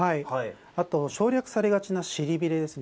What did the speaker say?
あと、省略されがちな尻びれですね。